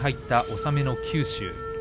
納めの九州。